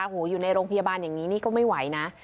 โอ้โฮอยู่ในโรงพยาบาลอย่างนี้ก็ไม่ไหวนะ